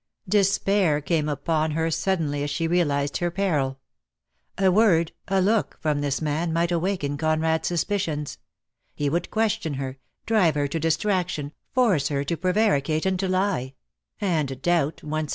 Despair came upon her suddenly as she realised her peril. A word, a look, from this man might awaken Conrad's suspicions. He would question her, drive her to distraction, force her to prevaricate and to lie; and doubt once DEAD LOVE HAS CHAINS.